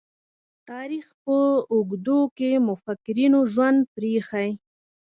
تاریخ په اوږدو کې مُفکرینو ژوند پريښی.